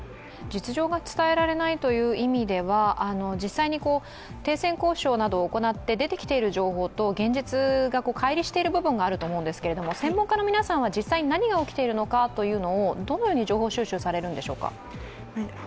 実情が伝えられないという意味では停戦交渉を行って出てきている情報と現実が乖離している部分があると思うんですが専門家の皆さんは実際に何が起きているのかというのをどのように情報収集されるんでしょうか。